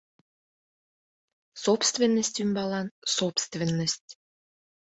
Собственность ӱмбалан собственность.